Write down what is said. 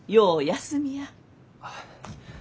あ。